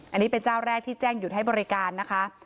อันนี้เป็นเจ้าแรกที่แจ้งหยุดให้บริการนะคะ